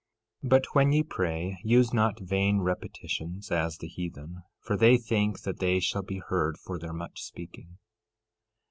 13:7 But when ye pray, use not vain repetitions, as the heathen, for they think that they shall be heard for their much speaking.